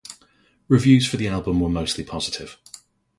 Reviews for the album were mostly positive.